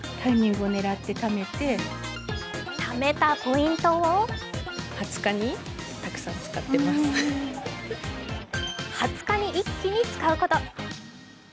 貯めたポイントを２０日に一気に使うこと。